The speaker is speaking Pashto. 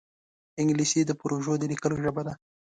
انګلیسي د پروژو د لیکلو ژبه ده